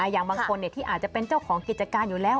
อย่างบางคนที่อาจจะเป็นเจ้าของกิจการอยู่แล้ว